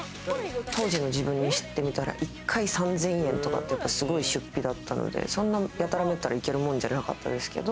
当時の自分にしてみたら１回３０００円とかって、すごい出費だったので、やたらめったら行けるもんじゃなかったですけど。